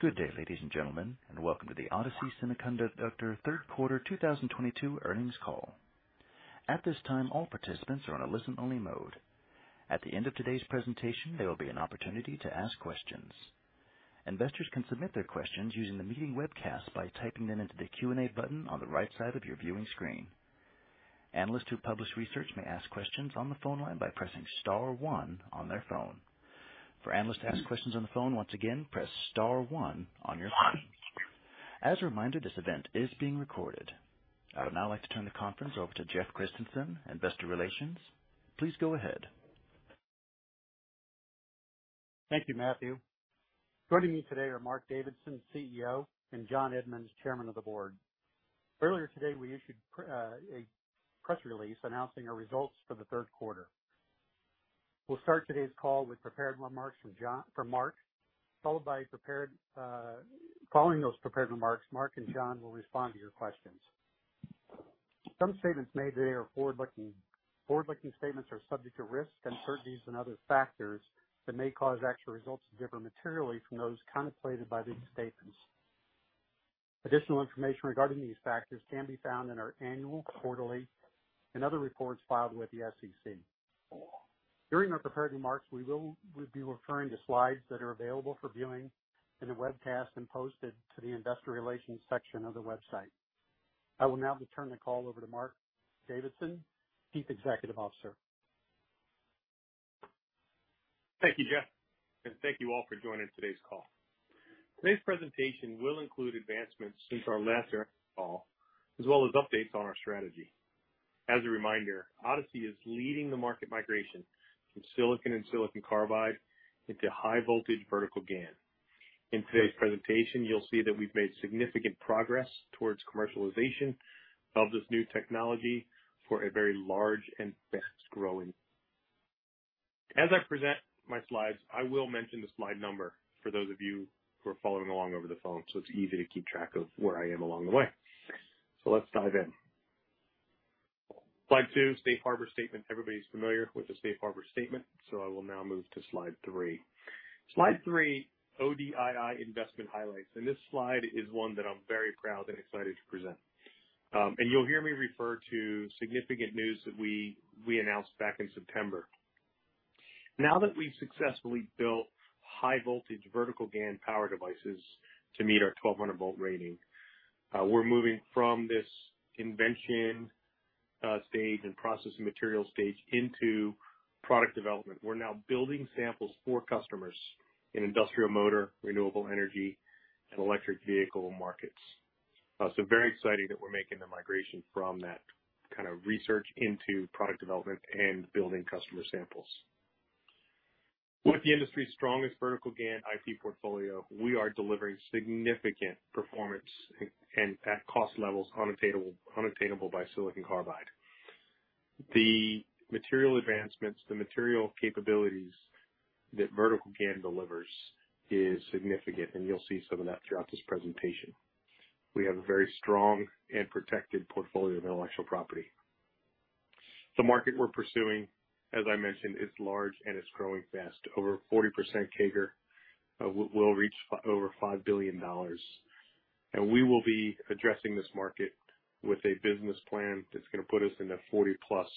Good day, ladies and gentlemen, and welcome to the Odysee Semiconductor Third Quarter 2022 Earnings Call. At this time, all participants are in a listen only mode. At the end of today's presentation, there will be an opportunity to ask questions. Investors can submit their questions using the meeting webcast by typing them into the Q and A button on the right side of your viewing screen. Analysts who publish research may ask questions on the phone line by pressing star 1 on their phone. As a reminder, this event is being recorded. I would now like to turn the conference over to Jeff Christensen, Investor Relations. Please go ahead. Thank you, Matthew. Joining me today are Mark Davidson, CEO and John Edmunds, Chairman of the Board. Earlier today, we issued a press release announcing our results for the Q3. We'll start today's call with prepared remarks from Mark, Following those prepared remarks, Mark and John will respond to your questions. Some statements made today are forward looking. Forward looking statements are subject to risks, uncertainties and other factors that may cause actual results to differ materially from those contemplated by these statements. Additional information regarding these factors can be found in our annual, quarterly and other reports filed with the SEC. During our prepared remarks, we will be referring to slides that are available for viewing in the webcast and posted to the Investor Relations section of the website. I would now like to turn the call over to Mark Davison, Chief Executive Officer. Thank you, Jeff, and thank you all for joining today's call. Today's presentation will include advancements since our last earnings call as well as updates on our strategy. As a reminder, Odyssey is leading the market migration from silicon and silicon carbide into high voltage vertical GaN. In today's presentation, you'll see that we've made significant progress towards commercialization of this new technology For a very large and fast growing as I present my slides, I will mention the slide number for those of you We're following along over the phone, so it's easy to keep track of where I am along the way. So let's dive in. Slide 2, Safe Harbor statement. Everybody is familiar with the Safe Harbor statement. So I will now move to Slide 3. Slide 3, ODI Investment Highlights. And this slide is one that I'm very proud and excited to present. And you'll hear me refer to significant news that we announced back in September. Now that we've successfully built high voltage vertical GaN power devices To meet our 1200 volt rating. We're moving from this invention stage and processing material stage into Product development, we're now building samples for customers in industrial motor, renewable energy and electric vehicle markets. So very exciting that we're making the migration from that kind of research into product development and building customer samples. With the industry's strongest vertical GaN IP portfolio, we are delivering significant performance and at cost levels unattainable by silicon carbide. The material advancements, the material capabilities that Vertical GaN delivers is significant and you'll see some of that throughout this presentation. We have a very strong and protected portfolio of intellectual property. The market we're pursuing, as I mentioned, is large and it's growing fast. Over 40% CAGR will reach over $5,000,000,000 And we will be addressing this market with a business plan that's going to put us in the 40 plus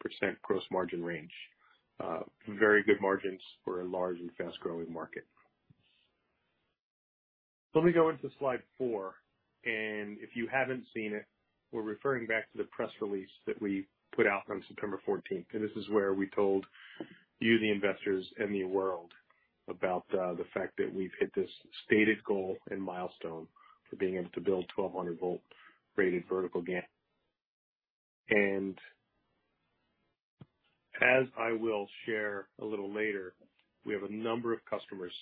percent gross margin range. Very good margins We're a large and fast growing market. Let me go into Slide 4. And if you haven't seen it, We're referring back to the press release that we put out on September 14. And this is where we told you the investors and the world About the fact that we've hit this stated goal and milestone for being able to build 1200 volt rated vertical GaN. And as I will share a little later, we have a number of customers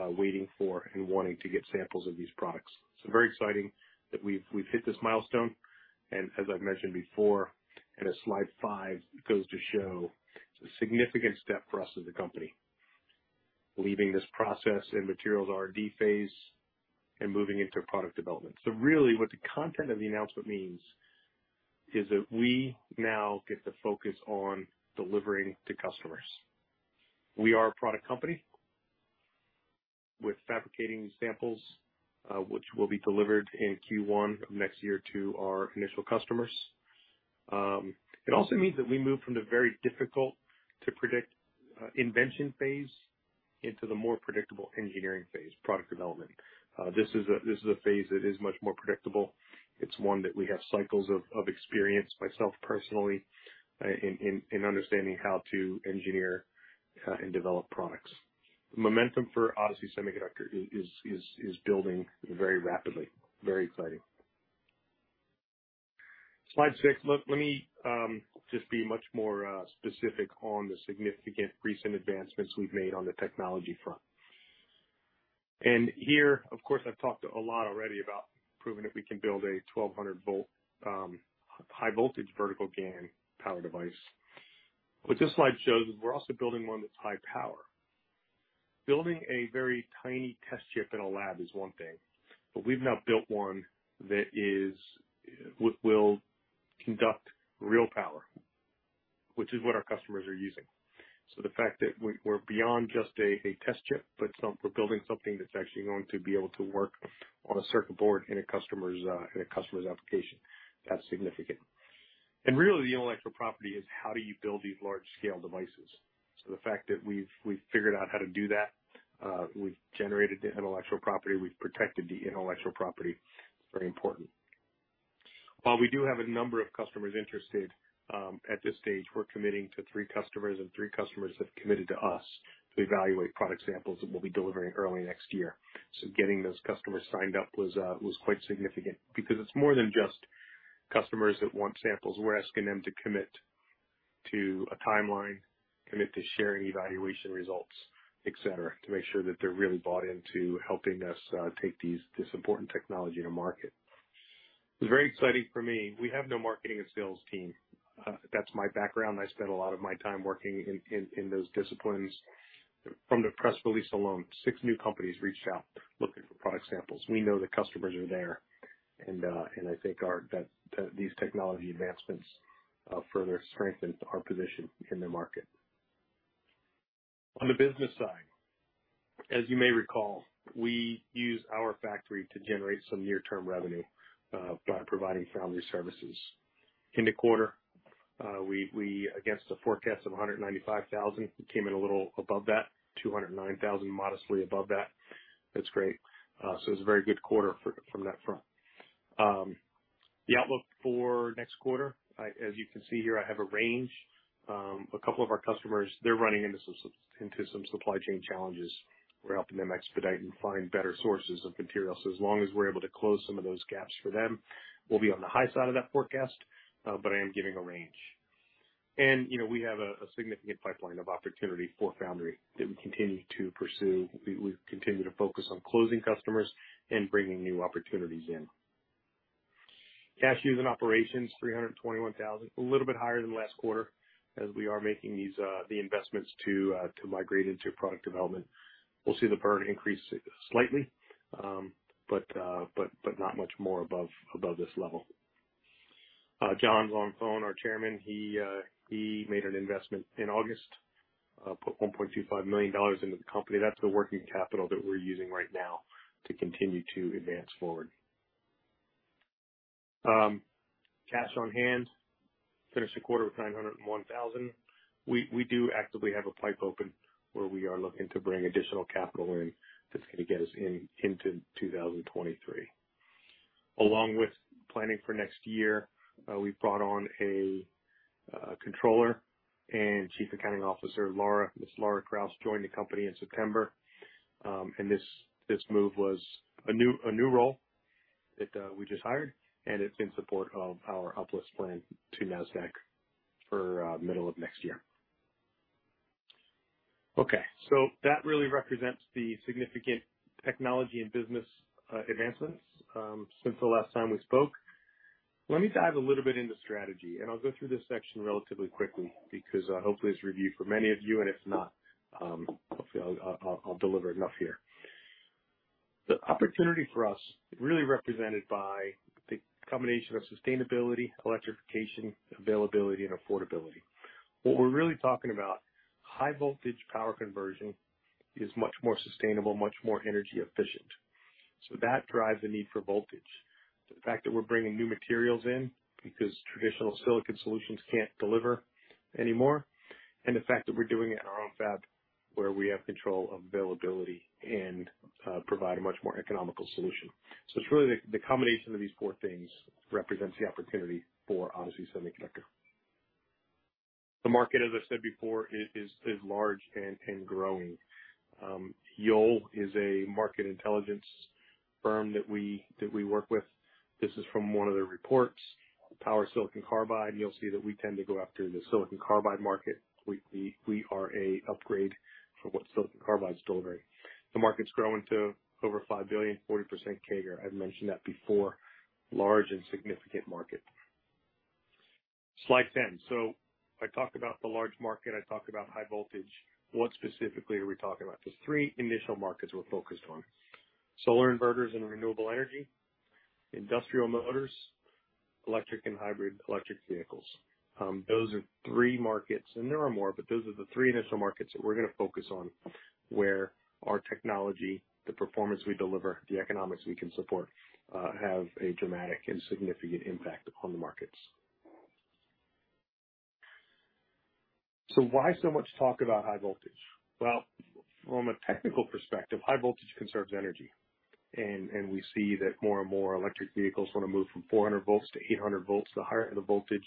Waiting for and wanting to get samples of these products. So very exciting that we've hit this milestone. And as I've mentioned before, And on slide 5, it goes to show significant step for us as a company, leaving this process in materials R and D phase And moving into product development. So really what the content of the announcement means is that we now get the focus on delivering to customers. We are a product company with fabricating samples, which will be delivered in Q1 of next year to our initial Customers, it also means that we move from the very difficult to predict invention phase Into the more predictable engineering phase, product development. This is a phase that is much more predictable. It's one that we have cycles of experience Myself personally in understanding how to engineer and develop products. Momentum for Odyssey Semiconductor It's building very rapidly, very exciting. Slide 6, look, let me Just be much more specific on the significant recent advancements we've made on the technology front. And here, of course, I've talked a lot already about proving that we can build a 1200 volt high voltage vertical GaN power device. What this slide shows is we're also building one that's high power. Building a very tiny test chip in a lab is one thing, But we've now built one that is will conduct real power, which is what our customers are using. So the fact that we're beyond just a test chip, but we're building something that's actually going to be able to work on a circuit board in a customer's application, That's significant. And really the intellectual property is how do you build these large scale devices. So the fact that we've figured out how to do that, We've generated the intellectual property. We've protected the intellectual property. It's very important. While we do have a number of customers interested At this stage, we're committing to 3 customers and 3 customers have committed to us to evaluate product samples that we'll be delivering early next year. So getting those customers signed up was quite significant because it's more than just customers that want samples. We're asking them to commit To a timeline, commit to sharing evaluation results, etcetera, to make sure that they're really bought into helping us So I'll take this important technology to market. It's very exciting for me. We have no marketing and sales team. That's my background. I spent a lot of my I'm working in those disciplines. From the press release alone, 6 new companies reached out looking for product samples. We know the customers are there. And I think our these technology advancements further strengthened our position in the market. On the business side, as you may recall, we use our factory to generate some near term revenue by providing family services. In the quarter, we against the forecast of $195,000 came in a little above that $209,000 modestly above that. That's great. So it's a very good quarter from that front. The outlook for next quarter, as you can see here, I have a range. A couple of our customers, they're running into some supply chain challenges. We're helping them expedite and find better sources of materials as long as we're able to close some of those gaps for them. We'll be on the high side of that forecast, but I am giving a range. And we have a significant pipeline of opportunity for foundry that we continue to pursue. We continue to focus on closing customers and bringing new opportunities in. Cash used in operations $321,000 a little bit higher than last quarter As we are making these the investments to migrate into product development, we'll see the burn increase slightly, but not much more above this level. John Longfone, our Chairman, he made an investment in August, Put $1,250,000 into the company. That's the working capital that we're using right now to continue to advance forward. Cash on hand, finished the quarter with $901,000 We do actively have a pipe open where we are looking to bring additional capital in that's going to get us into 2023. Along with planning for next year, We brought on a Controller and Chief Accounting Officer, Ms. Laura Krausz joined the company in September. And This move was a new role that we just hired and it's in support of our uplift plan to NASDAQ for middle of next year. Okay. So that really represents the significant technology and business advancements since the last time we spoke. Let me dive a little bit into strategy and I'll go through this section relatively quickly because hopefully it's review for many of you and if not, I'll deliver enough here. The opportunity for us is really represented by the combination of sustainability, electrification, availability and affordability. What we're really talking about high voltage power conversion is much more sustainable, much more energy efficient. So that drives the need for voltage. The fact that we're bringing new materials in because traditional silicon solutions can't deliver anymore And the fact that we're doing it in our own fab where we have control availability and provide a much more economical solution. So it's really the combination of these four things Represents the opportunity for OZY Semiconductor. The market as I said before is large and growing. Yole is a market intelligence firm that we work with. This is from one of the reports, Power silicon carbide, you'll see that we tend to go after the silicon carbide market. We are a upgrade for what silicon carbide is delivering. The market is growing to over $5,000,000,000 40 percent CAGR. I've mentioned that before large and significant market. Slide 10. So I talked about the large market, I talked about high voltage. What specifically are we talking about? There's 3 initial markets we're focused on: Solar Inverters and Renewable Energy, Industrial Motors, Electric and Hybrid Electric Vehicles. Those are Three markets and there are more, but those are the 3 initial markets that we're going to focus on where our technology, the performance we deliver, the economics we can support Have a dramatic and significant impact upon the markets. So why so much talk about high voltage? Well, from a technical perspective, high voltage conserves energy. And we see that more and more electric vehicles want to move from 400 volts to 800 volts. The higher the voltage,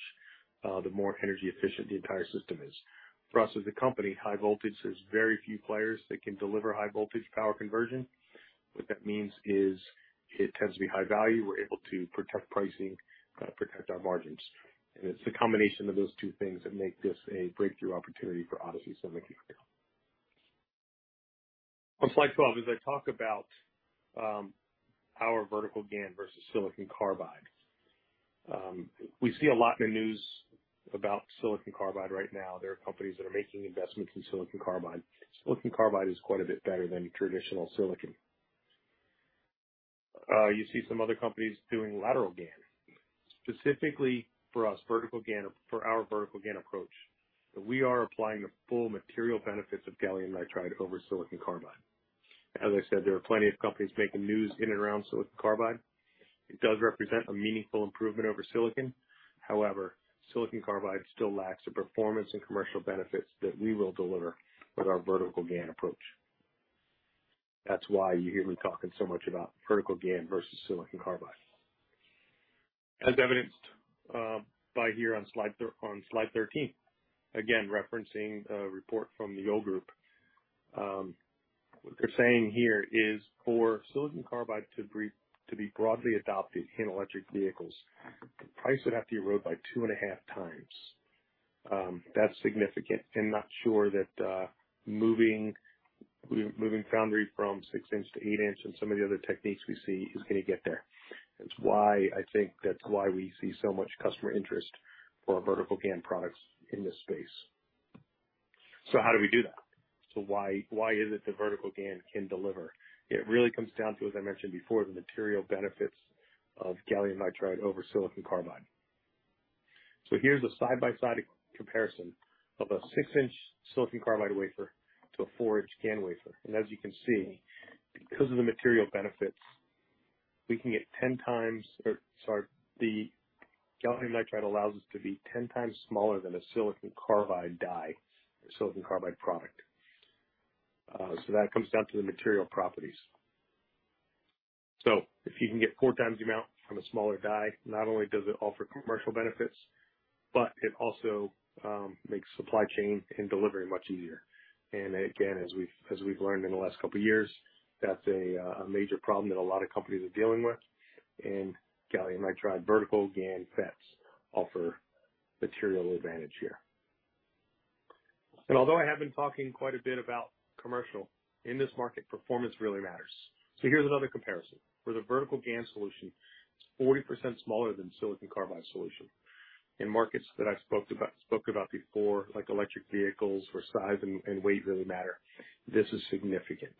The more energy efficient the entire system is. For us as a company high voltage, there's very few players that can deliver high voltage power conversion. What that means is It tends to be high value. We're able to protect pricing, protect our margins. And it's the combination of those two things that make this a breakthrough opportunity for Odyssey Semiconductor. On slide 12, as I talk about our vertical GaN versus silicon carbide, We see a lot of news about silicon carbide right now. There are companies that are making investments in silicon carbide. Silicon carbide is quite a bit better than traditional silicon. You see some other companies doing lateral GaN. Specifically for us vertical GaN for our vertical GaN approach, we are applying the full material benefits of gallium nitride over silicon carbide. As I said, there are plenty of companies making news in and around silicon carbide. It does represent a meaningful improvement over silicon. However, Silicon carbide still lacks the performance and commercial benefits that we will deliver with our vertical GaN approach. That's why you hear me talking so much about vertical GaN versus silicon carbide. As evidenced By here on Slide 13, again referencing a report from the Yale Group. What they're saying here is for silicon carbide to be broadly adopted in electric vehicles, the price would have to erode by 2.5 times. That's significant. I'm not sure that moving foundry from 6 inches to 8 inches and some of the other techniques we see is going to get there. That's why I think that's why we see so much customer interest for our vertical GaN products in this space. So how do we do that? So why is it the vertical GaN can deliver? It really comes down to, as I mentioned before, the material benefits of gallium nitride over silicon carbide. So here's a side by side comparison of a 6 inches silicon carbide wafer to a 4 inches GaN wafer. And as you can see, Because of the material benefits, we can get 10 times sorry, the gallium nitride allows To be 10 times smaller than a silicon carbide die, silicon carbide product. So that comes down to the material properties. So if you can get 4 times the amount from a smaller die, not only does it offer commercial benefits, but it also makes supply chain and delivery much easier. And again, as we've learned in the last couple of years, that's a major problem that a lot of companies are dealing with. And Calumetridevertical GaN FETs offer material advantage here. And although I have been talking quite a bit about commercial, In this market performance really matters. So here's another comparison. For the vertical GaN solution, it's 40% smaller than silicon carbide solution. In markets that I've spoke about before like electric vehicles where size and weight really matter, this is significant.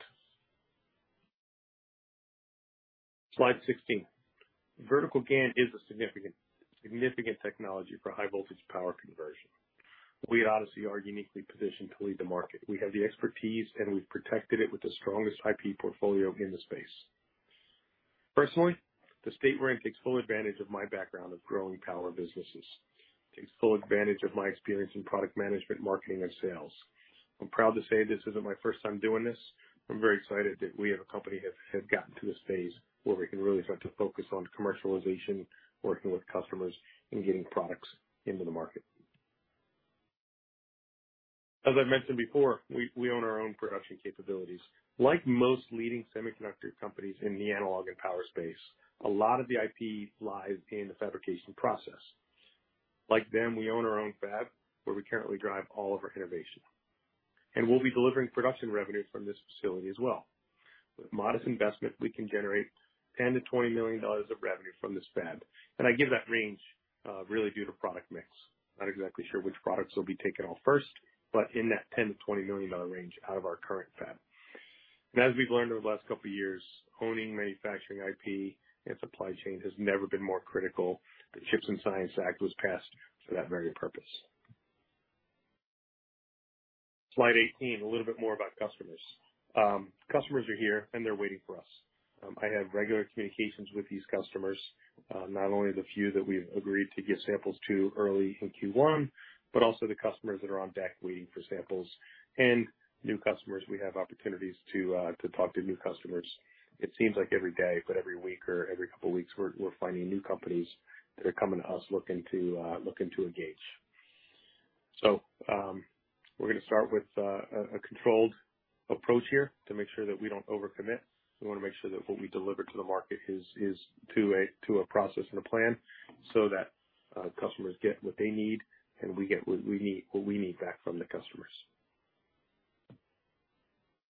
Slide 16. Vertical GaN is a significant technology for high voltage power conversion. We at Odysee are uniquely positioned to lead the market. We have the expertise and we've protected it with the strongest IP portfolio in the space. Personally, the State Bank takes full advantage of my background of growing power businesses, takes full advantage of my experience in product management, marketing and sales. I'm proud to say this isn't my first time doing this. I'm very excited that we as a company have gotten to this phase where we can really start to focus on commercialization, working with customers and getting products into the market. As I mentioned before, we own our own production capabilities. Like most leading semiconductor companies in the analog and power space, a lot of the IP lies in the fabrication process. Like them, we own our own fab, where we currently drive all of our innovation. And we'll be delivering production revenue from this facility as well. With modest investment, we can generate $10,000,000 to $20,000,000 of revenue from this fab. And I give that range really due to product mix. Not exactly sure which products will be taken off first, but in that $10,000,000 to $20,000,000 range out of our current fab. And as we've learned over the last couple of years, owning manufacturing IP and supply chain has never been more critical. The Chips and Science Act was passed for that very purpose. Slide 18, a little bit more about customers. Customers are here and they're waiting for us. I have regular communications with these customers, not only the few that we've agreed to give samples to early in Q1, But also the customers that are on deck waiting for samples and new customers we have opportunities to talk to new customers. It seems like every day, but every week or every couple of weeks, we're finding new companies that are coming to us looking to engage. So we're going to start with a controlled approach here to make sure that we don't over commit. We want to make sure that what we deliver to the market is To a process and a plan, so that customers get what they need and we get what we need back from the customers.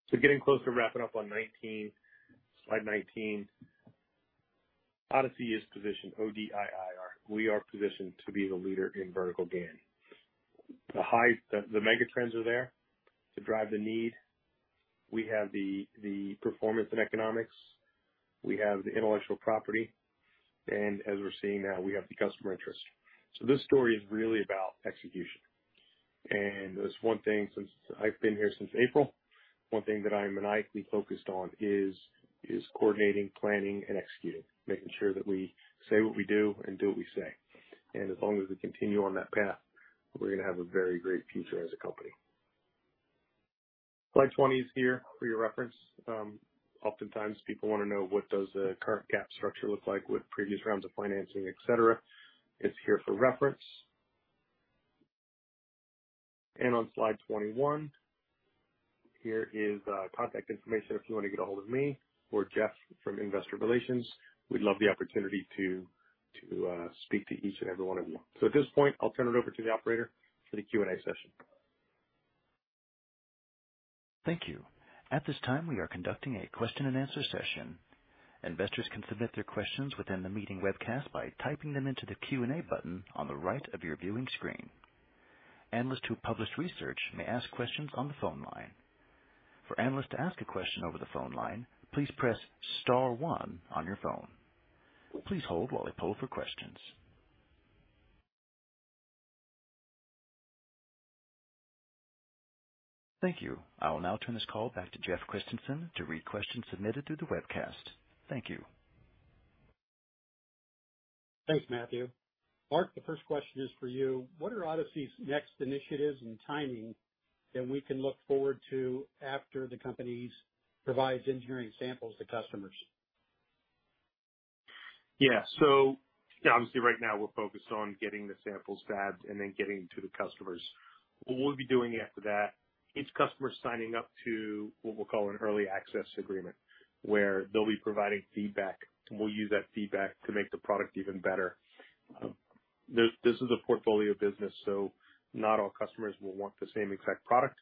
So getting close to wrapping up on 2019, Slide 19. Odyssey is positioned O DIIR. We are positioned to be the leader in vertical GaN. The high the megatrends are there to drive the need. We have the performance and economics. We have the intellectual property. And as we're seeing now, we have the customer interest. So this story is really about execution. And there's one thing since I've been here since April, one thing that I am maniacally focused on It's coordinating, planning and executing, making sure that we say what we do and do what we say. And as long as we continue on that path, We're going to have a very great future as a company. Slide 20 is here for your reference. Oftentimes people want to know what does the current GAAP structure look like with previous rounds of financing etcetera. It's here for reference. And on slide 21, here is contact information if you want to get a hold of me or Jeff from Investor Relations. We'd love the opportunity to speak to each and every one of you. So at this point, I'll turn it over to the operator for the Q and A session. Thank you. At this time, we are conducting a question and answer session. Investors can submit their questions within the meeting webcast by typing them into the Q and A button on the right of your viewing screen. Analysts who published research may ask questions on the phone line. Thank you. I will now turn this call back to Jeff Christensen to read questions submitted through the webcast. Thank you. Thanks, Matthew. Mark, the first question is for you. What are Odysee's next initiatives and timing And we can look forward to after the company's provides engineering samples to customers. Yes. So obviously right now we're focused on getting the samples fabbed and then getting to the customers. What we'll be doing after that Each customer signing up to what we'll call an early access agreement, where they'll be providing feedback and we'll use that feedback to make the product even better. This is a portfolio business, so not all customers will want the same exact product.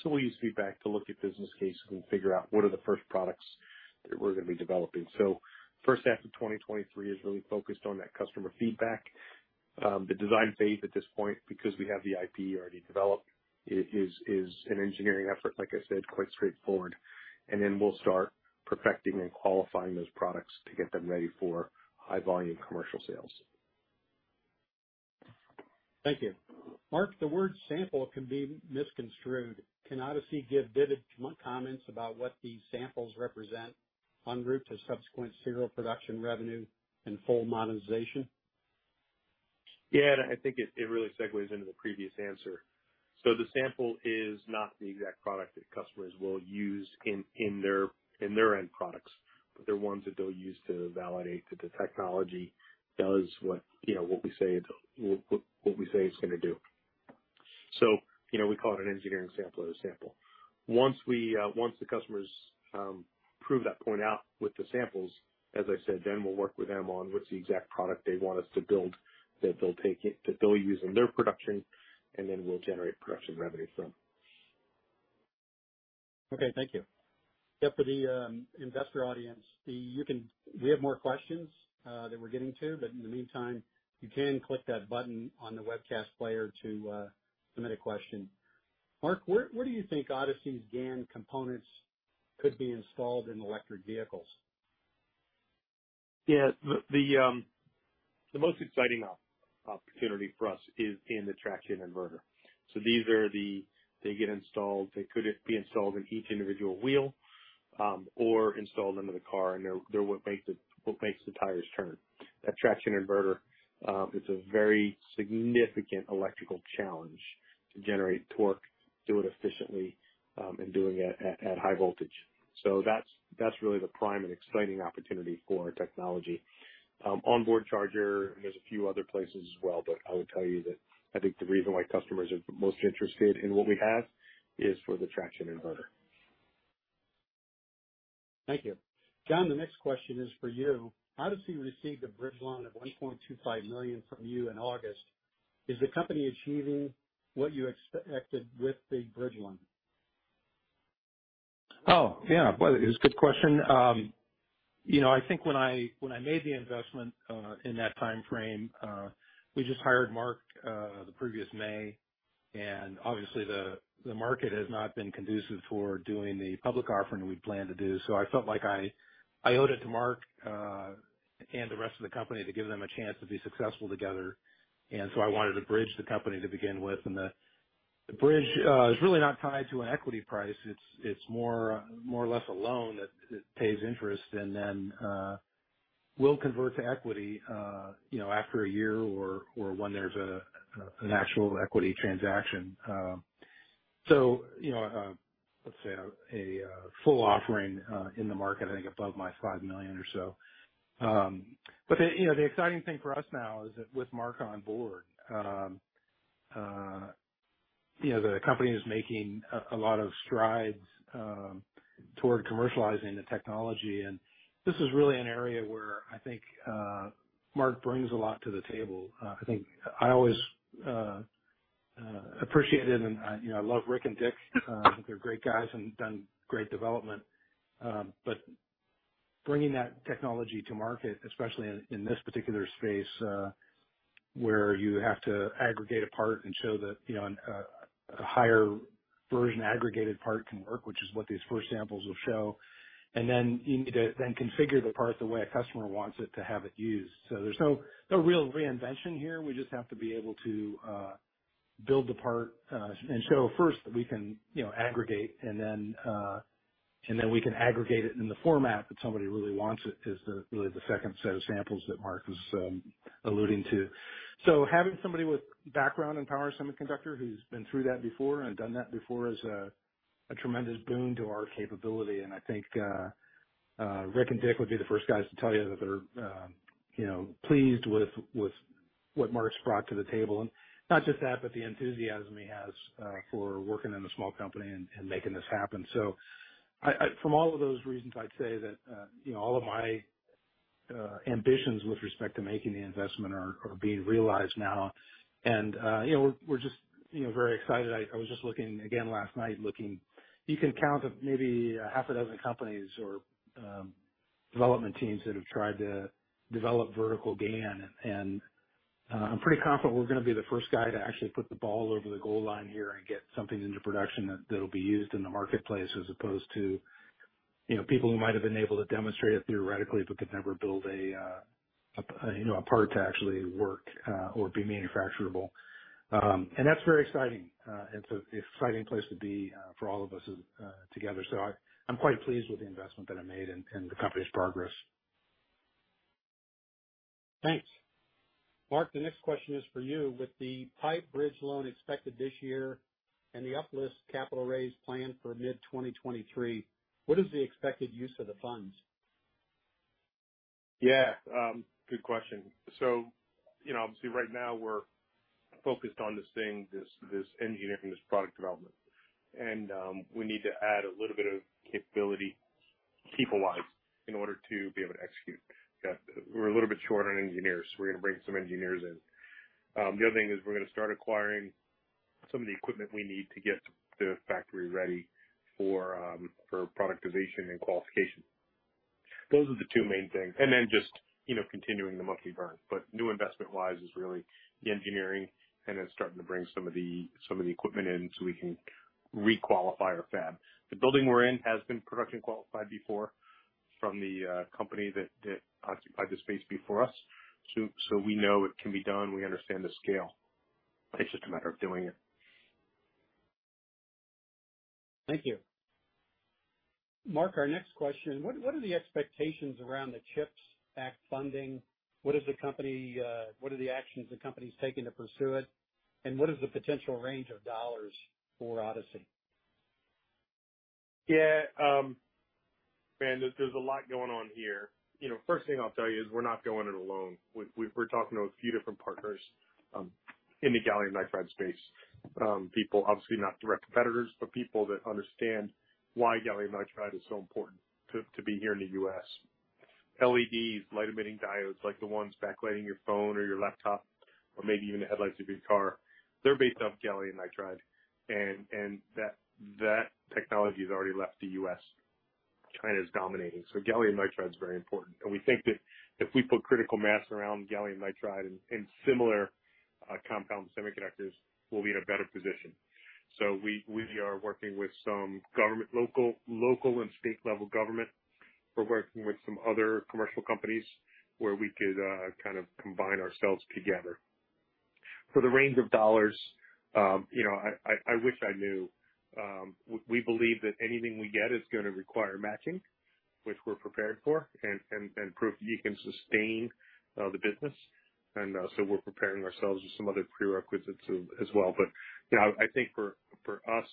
So we'll use feedback to look at business We'll figure out what are the first products that we're going to be developing. So first half of twenty twenty three is really focused on that customer feedback. The design phase at this point because we have the IP already developed is an engineering effort like I said quite straightforward. And then we'll start perfecting and qualifying those products to get them ready for high volume commercial sales. Thank you. Mark, the word sample can be misconstrued. Can Odyssey give vivid comments about what these samples represent On route to subsequent serial production revenue and full monetization? Yes. I think it really segues into the previous answer. So the sample is not the exact product that customers will use in their end products, but they're ones that they'll use to validate that the technology That is what we say it's going to do. So we call it an engineering sample as a sample. Once the customers Prove that point out with the samples. As I said, then we'll work with them on what's the exact product they want us to build that they'll take it that they'll use in their production And then we'll generate production revenue from. Okay. Thank you. Yes, for the investor audience, you can we have more questions That we're getting to, but in the meantime, you can click that button on the webcast player to submit a question. Mark, where do you think Odyssey's GaN components could be installed in electric vehicles? Yes. The most exciting opportunity for us is in the traction inverter. So these are the They get installed. It could be installed in each individual wheel or installed into the car and they're what makes the tires turn. That traction inverter, It's a very significant electrical challenge to generate torque, do it efficiently and doing it at high voltage. So That's really the prime and exciting opportunity for technology. Onboard charger, there's a few other places as well. But I would tell you that think the reason why customers are most interested in what we have is for the traction inverter. Thank you. John, the next question is for you. Obviously, we received a bridge loan of $1,250,000 from you in August. Is the company achieving what you expected with the bridge line? Yes. It's a good question. I think when I made the investment in that timeframe, we just hired Mark the previous May. And obviously, the market has not been conducive toward doing the public offering we plan to do. So I felt like I owed it to Mark and the rest of the company to give them a chance to be successful together. And so I wanted to bridge the company to begin with. And the bridge is really not tied to an equity price. It's more or less a loan that pays interest and then will convert to equity after a year or when there's an actual equity transaction. So let's say a full offering in the market, I think above my $5,000,000 or so. But the exciting thing for us now is that with Mark on board, Yes. The company is making a lot of strides toward commercializing the technology. And this is really an area where I think Mark brings a lot to the table. I think I always appreciate it and I love Rick and Dick. They're great guys and done great development. But bringing that technology to market, especially in this particular space, where you have to aggregate a part and show that A higher version aggregated part can work, which is what these first samples will show. And then configure the part the way a customer So there's no real reinvention here. We just have to be able to build the part and show first that we Aggregate and then we can aggregate it in the format that somebody really wants it is really the second set of samples that Mark was alluding to. So having somebody with background in Power Semiconductor who's been through that before and done that before is A tremendous boon to our capability and I think Rick and Dick would be the first guys to tell you that they're pleased with What Mark has brought to the table and not just that, but the enthusiasm he has for working in a small company and making this happen. So From all of those reasons, I'd say that all of my ambitions with respect to making the investment are being realized now. And we're just very excited. I was just looking again last night looking, you can count maybe half a dozen companies or Development teams that have tried to develop vertical gain. And I'm pretty confident we're going to be the 1st guy to actually put the ball over the goal line here and get something into production That will be used in the marketplace as opposed to people who might have been able to demonstrate it theoretically, but could never build Apart to actually work or be manufacturable. And that's very exciting. It's an exciting place to be for all of us together. So I'm quite pleased with the investment that I made and the company's progress. Thanks. Mark, the next question is for you. With The pipe bridge loan expected this year and the uplift capital raise planned for mid-twenty 23, what is the expected use of the funds? Yes. Good question. So, obviously, right now we're focused on this thing, this engineering, this product development. And we need to add a little bit of capability people wise in order to be able to execute. We're a little bit short on engineers. We're going to bring some engineers in. The other thing is we're going to start acquiring some of the equipment we need to get the factory ready For productization and qualification. Those are the two main things. And then just continuing the monthly burn. But new investment wise is really The engineering and then starting to bring some of the equipment in, so we can requalify our fab. The building we're in has been production qualified before from the company that occupied the space before us. So we know it can be done. We understand the scale. It's just a matter of doing it. Thank you. Mark, our next question. What are the expectations around the CHIPS Act funding? What is the company what are the actions the company is taking to pursue it? And what is the potential range of dollars for Odyssey? Yes. And there's a lot going on here. First thing I'll tell you is we're not going it alone. We're talking to a few different partners In the gallium nitride space, people obviously not direct competitors, but people that understand why gallium nitride is so important To be here in the U. S. LED light emitting diodes like the ones backlighting your phone or your laptop or maybe even the headlights of your car, they're based off Kelly and Nitride. And that technology has already left the U. S. China is dominating. So gallium nitride is very important. And we think that If we put critical mass around Gallium Nitride and similar compound semiconductors, we'll be in a better position. So we are working with some government local and state level government. We're working with some other commercial companies Where we could kind of combine ourselves together. For the range of dollars, I wish I knew, We believe that anything we get is going to require matching, which we're prepared for and proof you can sustain the business. And so we're preparing ourselves with some other prerequisites as well. But I think for us,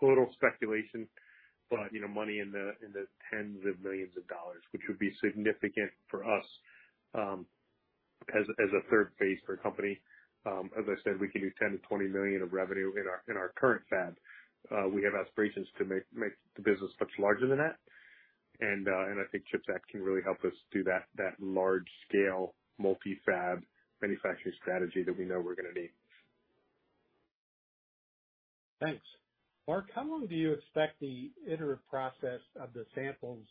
total speculation, But money in the tens of 1,000,000 of dollars, which would be significant for us as a third phase for a company. As I said, we can do $10,000,000 to $20,000,000 of revenue in our current fab. We have aspirations to make the business much larger than that. And I think ChipSat can really help us do that large scale multifab manufacturing strategy that we know we're going to need. Thanks. Mark, how long do you expect the interim process of the samples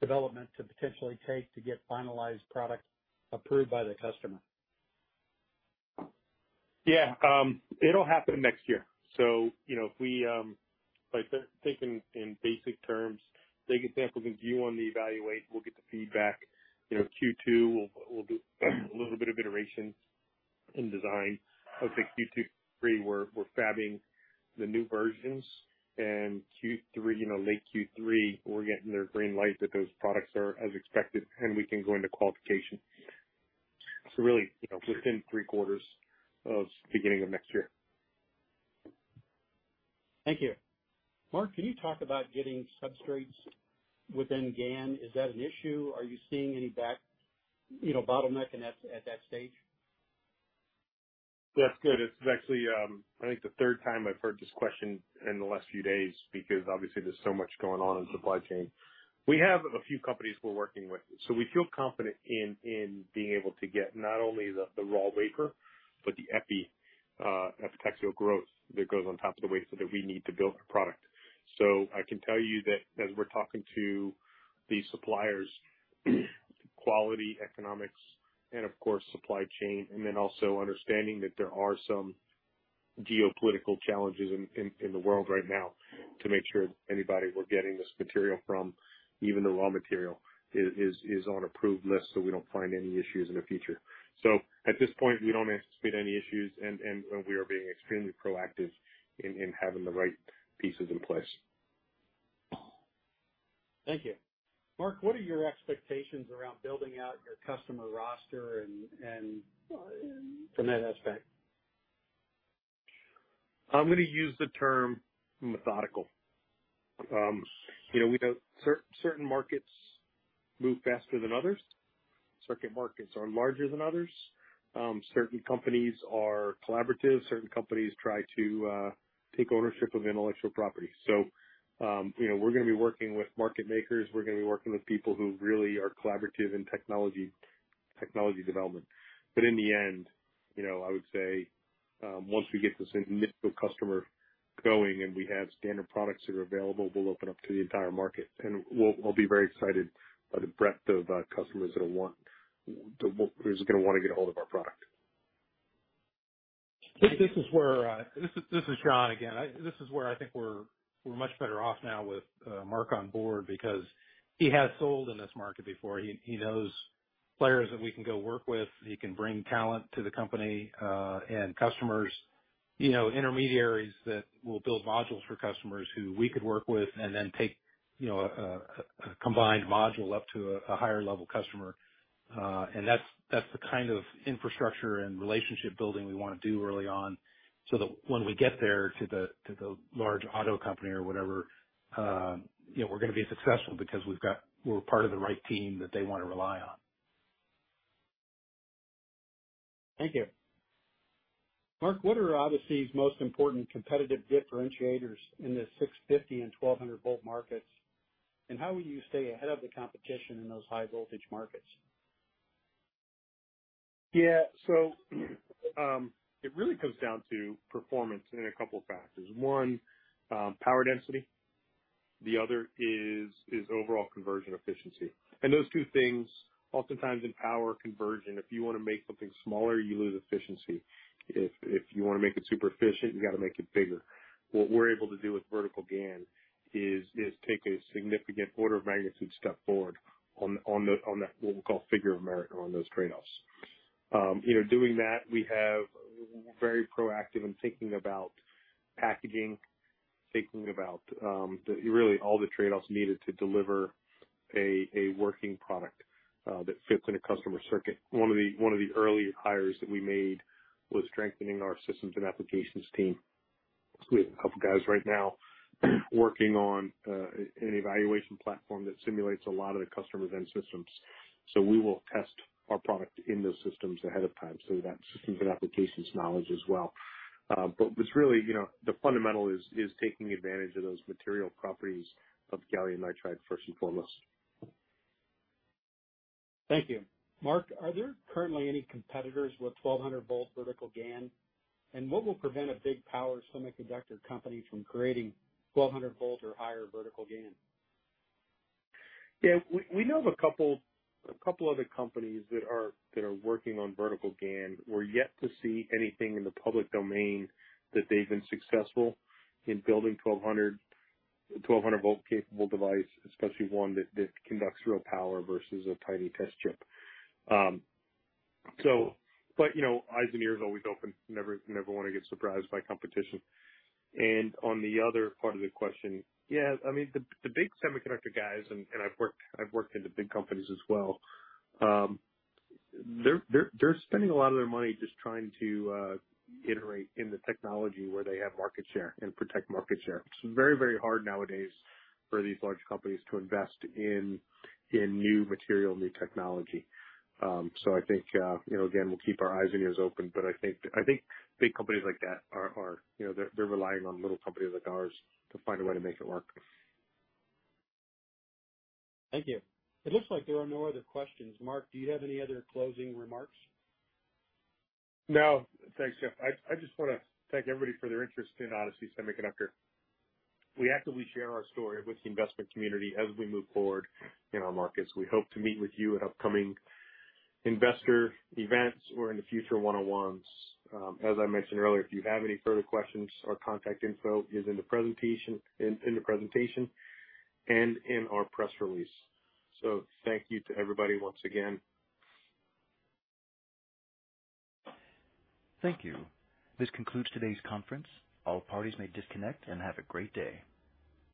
development to potentially take to get finalized product Approved by the customer. Yes. It will happen next year. So if we By thinking in basic terms, take a sample view on the evaluate, we'll get the feedback. Q2, we'll do a little bit of iterations In design, I would say Q2, Q3 were fabbing the new versions and Q3, late Q3, we're getting their green light that those products As expected and we can go into qualification. So really within 3 quarters of beginning of next year. Thank you. Mark, can you talk about getting substrates within GaN? Is that an issue? Are you seeing any back Bottlenecking at that stage? That's good. It's actually, I think the 3rd time I've heard this question in the last few days, Because obviously there's so much going on in the supply chain. We have a few companies we're working with. So we feel confident in being able to get not only the raw wafer, But the epi, epitaxial growth that goes on top of the waste that we need to build our product. So I can tell you that as we're talking to The suppliers quality economics and of course supply chain and then also understanding that there are some Geopolitical challenges in the world right now to make sure anybody we're getting this material from even the raw material It is on approved list, so we don't find any issues in the future. So at this point, we don't anticipate any issues and we are being extremely proactive In having the right pieces in place. Thank you. Mark, what are your expectations around building out Customer roster and from that aspect. I'm going to use the term methodical. Certain markets move faster than others. Circuit markets are larger than others. Certain companies are collaborative, certain companies try to take ownership of intellectual property. We're going to be working with market makers. We're going to be working with people who really are collaborative in technology development. But in the end, I would say, once we get this initial customer going and we have standard products that are available, we'll open up to the entire market. And we'll be very excited The breadth of customers that want who's going to want to get a hold of our product? This is where this is John again. This I think we're much better off now with Mark on board because he has sold in this market before. He knows Players that we can go work with, you can bring talent to the company and customers, intermediaries that We'll build modules for customers who we could work with and then take a combined module up to a higher level customer. And that's the kind of infrastructure and relationship building we want to do early on, so that when we get there to the large auto company or whatever, We're going to be successful because we've got we're part of the right team that they want to rely on. Thank you. Mark, what are Odyssey's most important competitive differentiators in the 6 5012 100 volt markets? And how will you stay ahead of the competition in those high voltage markets? Yes. So It really comes down to performance in a couple of factors. 1, power density. The other is overall conversion efficiency. And those two things oftentimes in power conversion, if you want to make something smaller, you lose efficiency. If you want to make it super efficient, you got to make it bigger. What we're able to do with Vertical GaN is take a significant order of magnitude step forward on that what we call Figure of America on those trade offs. Doing that, we have very proactive in thinking about packaging, thinking about Really all the trade offs needed to deliver a working product that fits in a customer circuit. 1 of the early hires that we made We're strengthening our systems and applications team. We have a couple of guys right now working on an evaluation platform that Simulates a lot of the customer event systems. So we will test our product in those systems ahead of time. So that's systems and applications knowledge as well. But what's really the fundamental is taking advantage of those material properties of Gallium Nitride 1st and foremost. Thank you. Mark, are there currently any competitors with 1200 volt vertical GaN? And what will prevent a big power semiconductor company from creating 1200 volt or higher vertical gain? Yes. We know of a couple other companies That are working on vertical GaN. We're yet to see anything in the public domain that they've been successful in building 1200 volt capable device, especially one that conducts real power versus a tiny test chip. So, but eyes and ears always open, never want to get surprised by competition. And on the other part of the Yes. I mean the big semiconductor guys and I've worked in the big companies as well. They're spending a lot of their money just trying to iterate in the technology where they have market share and protect market share. It's very, very hard nowadays For these large companies to invest in new material, new technology. So I think, again, we'll keep our eyes and ears open. But I think Big companies like that are they're relying on little companies like ours to find a way to make it work. Thank you. It looks like there are no other questions. Mark, do you have any other closing remarks? No. Thanks, Jeff. I just want to Thank everybody for their interest in Odyssey Semiconductor. We actively share our story with the investment community as we move forward in our markets. We hope to meet with you at upcoming Investor events or in the future 101s. As I mentioned earlier, if you have any further questions, our contact info is in the presentation and in our press release. So thank you to everybody once again. Thank you. This concludes today's conference. All parties may disconnect and have a great day.